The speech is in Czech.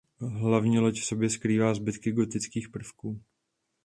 Hlavní loď v sobě skrývá zbytky gotických prvků.